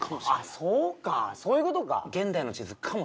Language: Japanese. そうかそういうことかあ